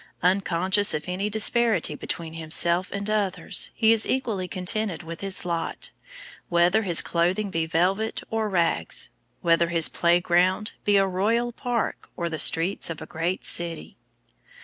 Unconscious of any disparity between himself and others, he is equally contented with his lot, whether his clothing be velvet or rags, whether his play ground be a royal park or the streets of a great city.